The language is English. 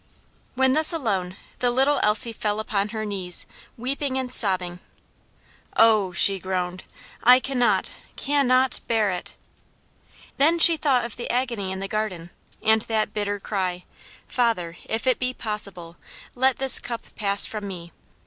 When thus alone the little Elsie fell upon her knees, weeping and sobbing. "Oh!" she groaned, "I cannot, cannot bear it!" Then she thought of the agony in the garden, and that bitter cry, "Father, if it be possible, let this cup pass from me!"